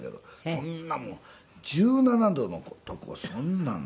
そんなもん１７度の所をそんなん